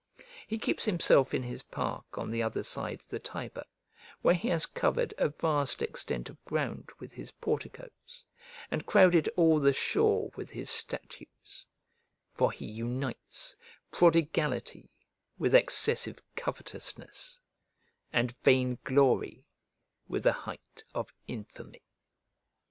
He keeps himself in his park on the other side the Tiber, where he has covered a vast extent of ground with his porticoes, and crowded all the shore with his statues; for he unites prodigality with excessive covetousness, and vain glory with the height of infamy.